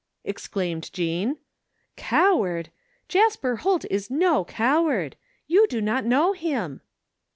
exclaimed Jean, " coward ! Jasper Holt is no coward ! You do not know him